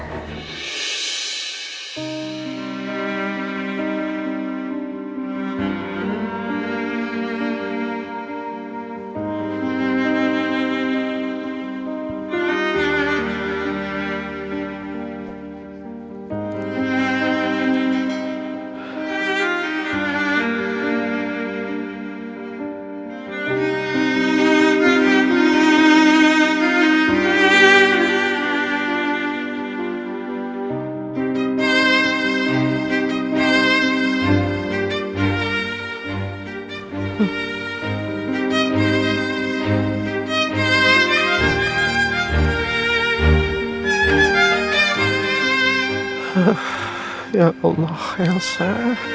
terima kasih atas dukunganmu